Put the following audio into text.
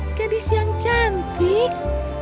oh gadis yang cantik